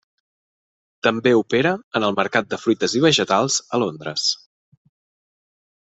També opera en el mercat de fruites i vegetals a Londres.